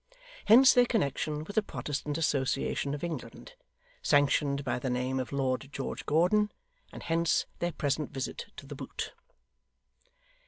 Hence their connection with the Protestant Association of England, sanctioned by the name of Lord George Gordon; and hence their present visit to The Boot.